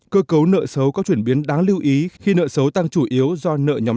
cơ cấu nợ xấu có chuyển biến đáng lưu ý khi nợ xấu tăng chủ yếu do nợ nhắm